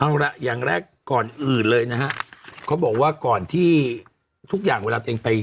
เอาล่ะอย่างแรกก่อนอื่นเลยนะฮะเขาบอกว่าก่อนที่ทุกอย่างเวลาตัวเองไป